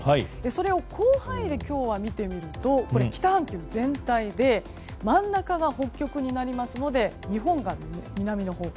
それを広範囲で今日は見てみると北半球全体で真ん中が北極になりますので日本が南のほう。